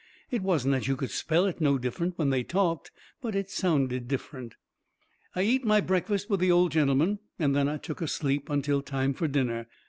It wasn't that you could spell it no different when they talked, but it sounded different. I eat my breakfast with the old gentleman, and then I took a sleep until time fur dinner.